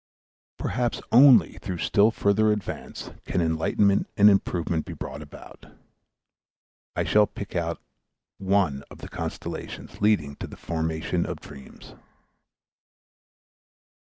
Perhaps only through still further advance can enlightenment and improvement be brought about. I shall pick out one of the constellations leading to the formation of dreams.